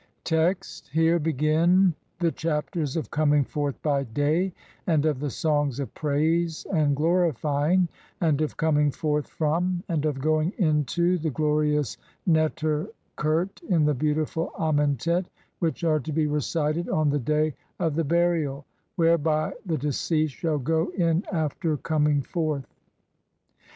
Text : (i) Here begin the Chapters of "Coming forth BY HAY", AND OF THE SONGS OF PRAISE AND GLORIFYING, (2) AND OF COMING FORTH FROM, AND OF GOING INTO THE GLORIOUS NETER KHERT IN THE BEAUTIFUL AMENTET, WHICH ARE TO BE RECITED ON (3) THE DAY OF THE BURIAL [WHEREBY THE DE CEASED] SHALL GO IN AFTER COMING FORTH.